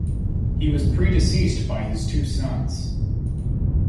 He was predeceased by his two sons.